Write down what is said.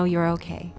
tahu anda baik baik saja